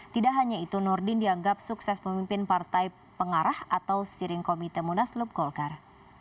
tidak hanya itu nurdin dianggap sukses memimpin partai pengarah atau steering komite munaslup golkar